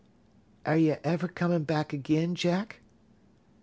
"Air ye ever comin' back agin, Jack?"